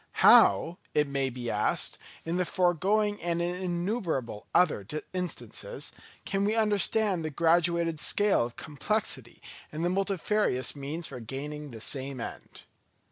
How, it may be asked, in the foregoing and in innumerable other instances, can we understand the graduated scale of complexity and the multifarious means for gaining the same end.